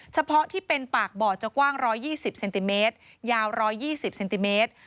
เฉพาะที่เป็นปากบ่อจะกว้าง๑๒๐เซนติเมตรยาว๑๒๐เซนติเมตร